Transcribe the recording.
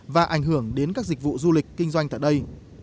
và ảnh hưởng đến các dịch vụ du lịch kinh doanh tại đây